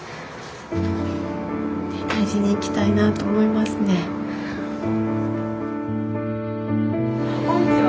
まあこんにちは。